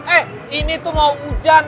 eh ini tuh mau hujan